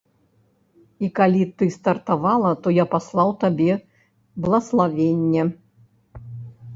І калі ты стартавала, то я паслаў табе блаславенне.